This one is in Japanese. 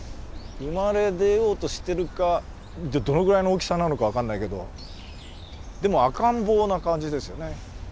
生まれ出ようとしてるかどのくらいの大きさなのか分かんないけどでも赤ん坊な感じですよね。